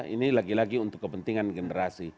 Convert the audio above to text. ini lagi lagi untuk kepentingan generasi